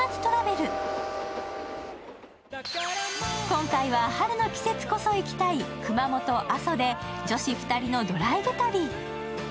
今回は、春の季節こそ行きたい熊本・阿蘇で女子２人のドライブ旅。